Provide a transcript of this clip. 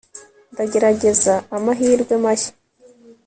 ndagerageza amahirwe mashya